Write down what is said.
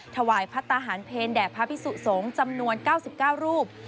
ถวายพระทหารเพลแด่พระพิสุสงฆ์จำนวน๙๙รูป